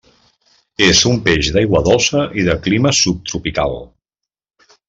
És un peix d'aigua dolça i de clima subtropical.